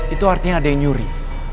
itu artinya ada yang nyuri